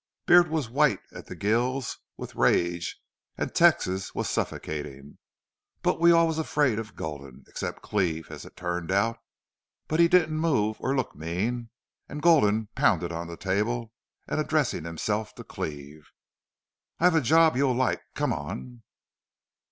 Beard was white at the gills with rage an' Texas was soffocatin'. But we all was afraid of Gulden, except Cleve, as it turned out. But he didn't move or look mean. An' Gulden pounded on the table an' addressed himself to Cleve. "'I've a job you'll like. Come on.'